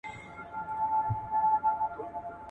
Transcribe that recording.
که څېړنه نه وي، علمي پرمختګ به ودرېږي.